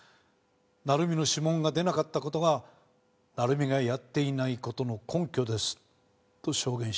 「成美の指紋が出なかった事が成美がやっていない事の根拠です」と証言しました。